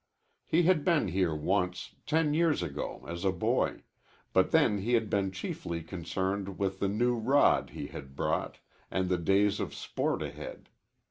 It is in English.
He had been here once, ten years ago, as a boy, but then he had been chiefly concerned with the new rod he had brought and the days of sport ahead.